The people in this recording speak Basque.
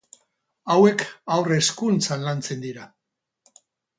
Hauek haur hezkuntzan lantzen dira.